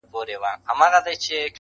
• د ټول کلي خلک ماته کړي ښراوي -